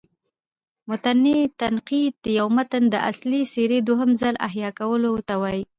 متني تنقید: د یو متن د اصلي څېرې دوهم ځل احیا کولو ته وايي.